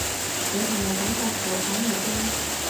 你係咪感覺受寵若驚？